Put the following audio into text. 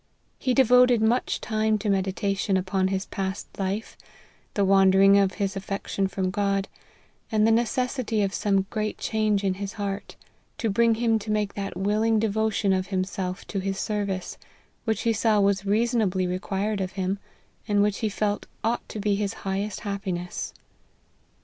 He devoted much time to meditation upon his past life, the wandering of his affection from God, and the necessity of some great change in his heart, to bring him to make that willing devotion of himself to his service, which he saw was reasonably requir ed of him, and which he felt ought to be his highest happiness.